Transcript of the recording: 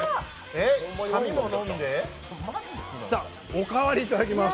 お代わりいただきます。